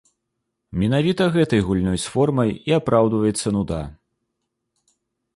Менавіта гэтай гульнёй з формай і апраўдваецца нуда.